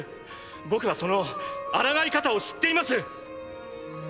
僕はその抗い方を知っています！